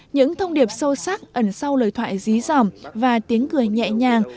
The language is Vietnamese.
những thông điệp sâu sắc ẩn sau lời thoại rí giỏm và tiếng cười nhẹ nhàng